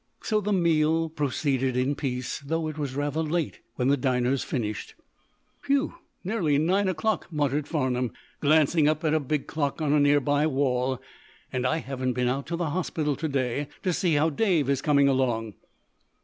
So the meal proceeded in peace, though it was rather late when the diners finished. "Whew! Nearly nine o'clock," muttered Farnum, glancing up at a big clock on a near by wall. "And I haven't been out to the hospital, to day, to see how Dave is coming along."